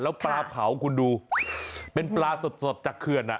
แล้วปลาเผาคุณดูเป็นปลาสดจากเขื่อน